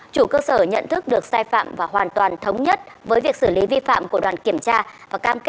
chủ cơ sở nhận thức được sai phạm và hoàn toàn thống nhất với việc xử lý vi phạm của đoàn kiểm tra